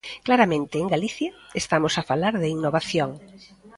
Claramente en Galicia estamos a falar de innovación.